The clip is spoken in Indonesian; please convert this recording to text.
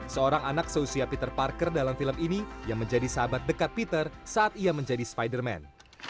seorang anak seusia peter parker dalam film ini yang menjadi sahabat dekat peter saat ia menjadi spider man